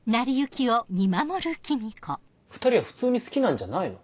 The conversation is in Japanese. ２人は普通に好きなんじゃないの？